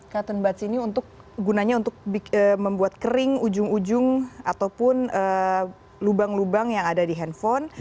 cotton butz ini untuk gunanya untuk membuat kering ujung ujung ataupun lubang lubang yang ada di handphone